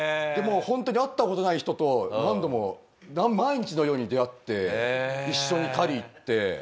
もう本当に会った事ない人と何度も毎日のように出会って一緒に狩り行って。